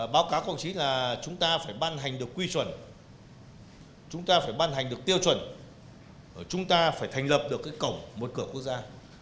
báo cáo của ông chí là chúng ta phải ban hành được quy chuẩn chúng ta phải ban hành được tiêu chuẩn chúng ta phải thành lập được cổng một cửa quốc gia